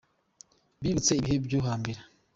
Bibutse ibihe byo hambere